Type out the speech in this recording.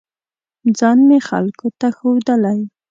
ځان مې خلکو ته ښودلی